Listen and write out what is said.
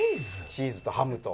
「チーズとハムと」